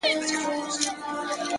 تاسو په درد مه كوئ،